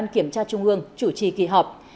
kiểm tra trung ương chủ trì kỳ họp